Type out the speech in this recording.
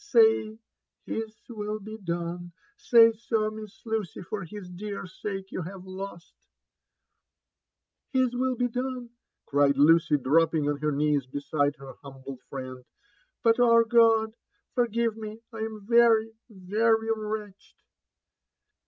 ^Say, His will be done !— say so, Miss Lucy, for his dear sake you have lost !" "His win be done !" cried Lucy, dropping on her knees beside her humble friend.— But— oh, God! forgive me! J am very, very wretched